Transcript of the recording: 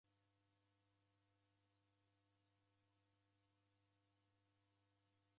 Naw'uka nikisikira kiw'iw'i